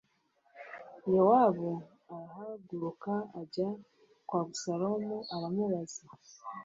Yowabu arahaguruka ajya kwa Abusalomu aramubaza